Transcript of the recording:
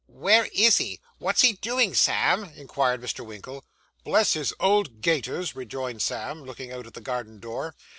'Where is he? What's he doing, Sam?' inquired Mr. Winkle. 'Bless his old gaiters,' rejoined Sam, looking out at the garden door.